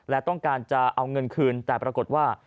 และต้องการจะเอาเงินคืนแต่ปรากฏว่า